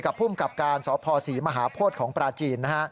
กับผู้มกับการสภศรีมหาโพศของประจีน